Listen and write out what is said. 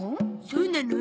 そうなの？